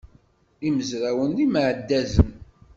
Imezrawen d imeɛdazen.